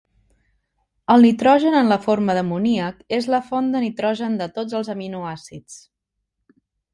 El nitrogen en la forma d'amoníac és la font de nitrogen de tots els aminoàcids.